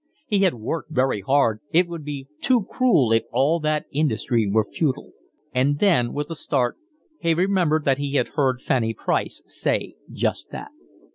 He had worked very hard, it would be too cruel if all that industry were futile. And then with a start he remembered that he had heard Fanny Price say just that.